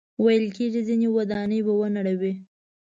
ویل کېږي ځینې ودانۍ به ونړوي.